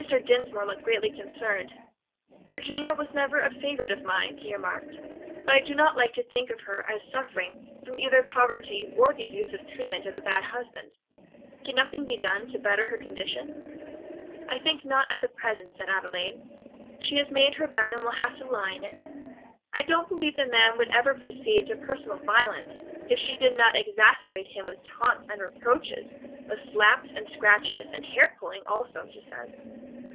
Dinsmore looked greatly concerned. "Virginia was never a favorite of mine," he remarked, "but I do not like to think of her as suffering from either poverty or the abusive treatment of a bad husband. Can nothing be done to better her condition?" "I think not at present," said Adelaide; "she has made her bed and will have to lie in it. I don't believe the man would ever proceed to personal violence if she did not exasperate him with taunts and reproaches; with slaps, scratches, and hair pulling also, he says."